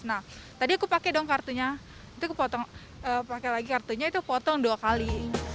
nah tadi aku pakai dong kartunya itu aku pakai lagi kartunya itu potong dua kali